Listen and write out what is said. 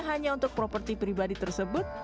hanya untuk properti pribadi tersebut